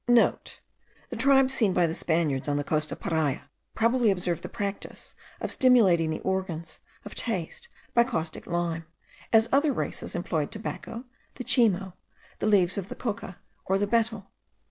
(* The tribes seen by the Spaniards on the coast of Paria, probably observed the practice of stimulating the organs of taste by caustic lime, as other races employed tobacco, the chimo, the leaves of the coca, or the betel.